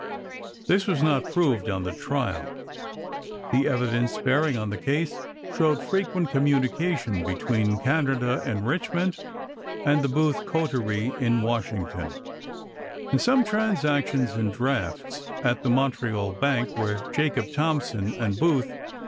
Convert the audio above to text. This was not proved on the trial : the evidence bearing on the case showed frequent communication between Can ada and Richmond and the Booth coterie in Wash Lewis f. ington, and some transactions in drafts at the Te?thnony. Montreal Bank, where Jacob Thompson and Booth p.